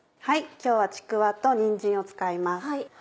今日はちくわとにんじんを使います。